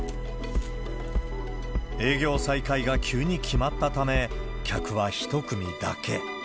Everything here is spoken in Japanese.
営業再開が急に決まったため、客は１組だけ。